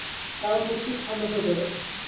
কারণ বস্তু স্থান দখল করে।